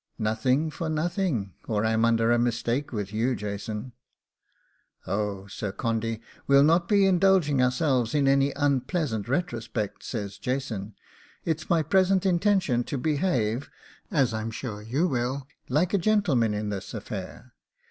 'Nothing for nothing, or I'm under a mistake with you, Jason.' 'Oh, Sir Condy, we'll not be indulging ourselves in any unpleasant retrospects,' says Jason; 'it's my present intention to behave, as I'm sure you will, like a gentleman in this affair.